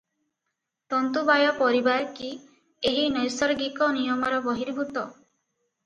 ତନ୍ତୁବାୟ ପରିବାର କି ଏହି ନୈସର୍ଗିକ ନିୟମର ବହିର୍ଭୂତ?